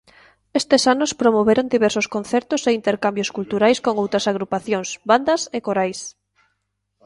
Estes anos promoveron diversos concertos e intercambios culturais con outras agrupacións, bandas e corais.